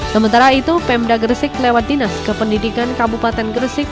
sementara itu pemda gresik lewat dinas kependidikan kabupaten gresik